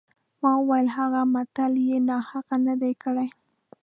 ما وویل هغه متل یې ناحقه نه دی کړی.